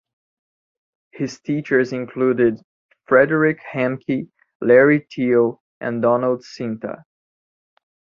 His teachers included Frederick Hemke, Larry Teal, and Donald Sinta.